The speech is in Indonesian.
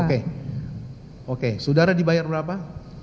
oke oke saudara dibayar berapa